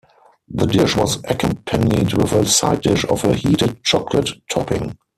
The dish was accompanied with a side dish of a heated chocolate topping.